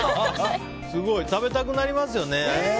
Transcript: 食べたくなりますよね。